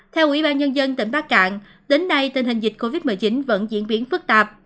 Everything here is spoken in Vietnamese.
theo ủy ban nhân dân tỉnh bắc cạn đến nay tình hình dịch covid một mươi chín vẫn diễn biến phức tạp